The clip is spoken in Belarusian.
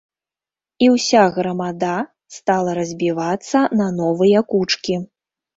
І ўся грамада стала разбівацца на новыя кучкі.